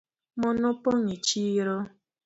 Mon opong’ e chiro